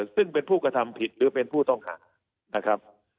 ซึ่งเป็นผู้กระทำผิดหรือเป็นผู้ต้องหานะครับ